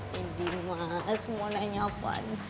jadi mas mau nanya apaan sih